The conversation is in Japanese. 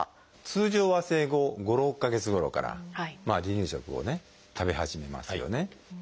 通常は生後５６か月ごろから離乳食を食べ始めますよね。